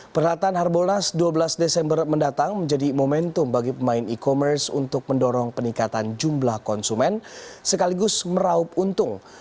peralatan harbolnas dua belas desember mendatang menjadi momentum bagi pemain e commerce untuk mendorong peningkatan jumlah konsumen sekaligus meraup untung